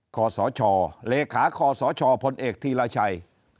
ขอสชตรรพเอกทีลาชัย